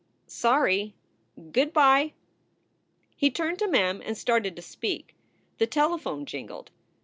Sorry. Good by!" He turned to Mem and started to speak. The telephone jingled.